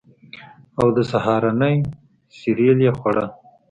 او د سهارنۍ سیریل یې خوړل